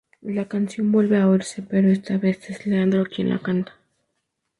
La canción vuelve a oírse, pero está vez es Leandro quien la canta.